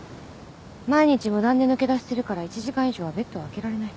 毎日無断で抜け出してるから１時間以上はベッドをあけられない。